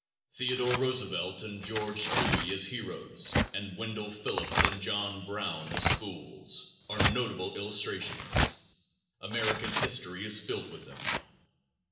Theodore Roosevelt and George Dewey as "heroes" and Wendell Phillips and John Brown as "fools" are notable illustrations. American history is filled with them.